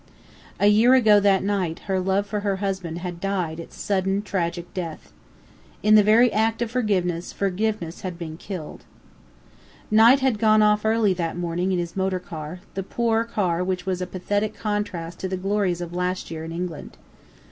A year ago that night her love for her husband had died its sudden, tragic death. In the very act of forgiveness, forgiveness had been killed. Knight had gone off early that morning in his motor car, the poor car which was a pathetic contrast to the glories of last year in England.